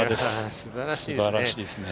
素晴らしいですね。